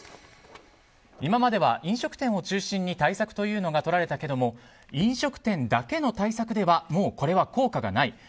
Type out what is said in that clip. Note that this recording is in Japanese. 今までは飲食店を中心に対策というのがとられたけども飲食店だけの対策ではもうこれは効果がない。